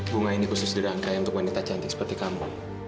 bunga ini khusus dirangkai untuk wanita cantik seperti kampung